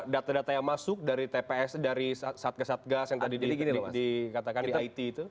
data data yang masuk dari tps dari satgas satgas yang tadi dikatakan di it itu